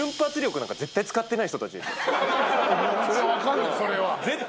それは分かんないそれは。